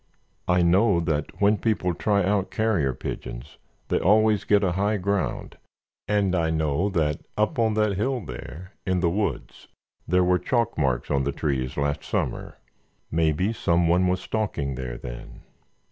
I know that when people try out carrier pigeons they always get a high ground, and I know that up on that hill over there—in the woods—there were chalk marks on the trees last summer. Maybe someone was stalking there then.